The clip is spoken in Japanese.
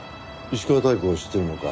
石川妙子を知ってるのか？